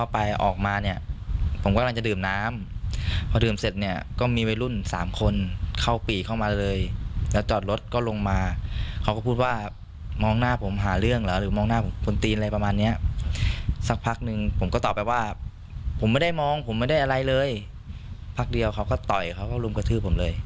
ผมไม่ได้มองผมไม่ได้อะไรเลยพักเดียวเขาก็ต่อยเขาก็รุมกระทืบผมเลย